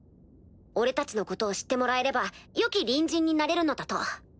俺たちのことを知ってもらえればよき隣人になれるのだと。